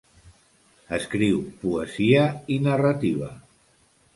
Escriu poesia i narrativa.